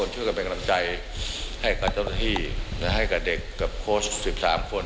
ให้กับเจ้าหน้าที่ให้กับเด็กกับโคสต์๑๓คน